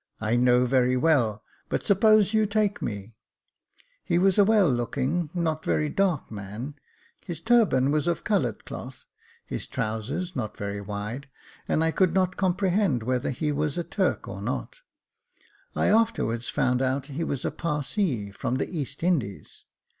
" I know very well, but suppose you take me ?" He was a well looking, not very dark man ; his turban was of coloured cloth — his trousers not very wide ; and I could not comprehend whether he was a Turk or not ; I afterwards found out he was a Parsee, from the East Indies.